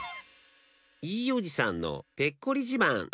いいおじさんのペッコリじまん。